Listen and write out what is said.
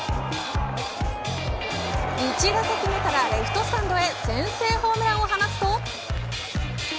１打席目からレフトスタンドへ先制ホームランを放つと。